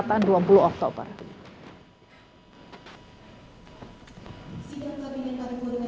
sini kabinet dari burungan ini kita ucapkan terima kasih